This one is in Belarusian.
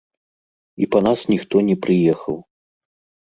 І па нас ніхто не прыехаў!